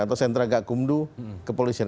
atau sentra agak kumdu kepolisian